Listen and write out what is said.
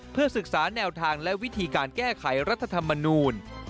เพื่อศึกษาแนวทางและวิธีการแก้ไขรัฐธรรมนูล